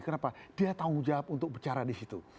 kenapa dia tanggung jawab untuk bicara di situ